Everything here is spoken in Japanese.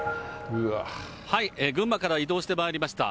群馬から移動してまいりました。